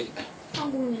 あっごめん。